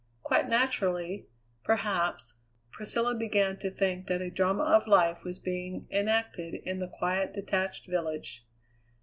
Quite naturally, perhaps, Priscilla began to think that a drama of life was being enacted in the quiet, detached village.